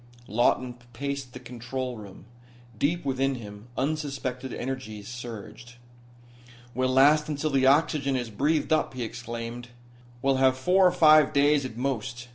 Lawton paced the control room. Deep within him unsuspected energies surged. "We'll last until the oxygen is breathed up," he exclaimed. "We'll have four or five days, at most.